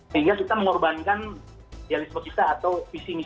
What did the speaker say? sehingga kita mengorbankan realisme kita atau visi visi kita